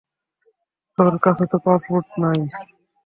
তোর কাছেতো পাসপোর্টও নাই।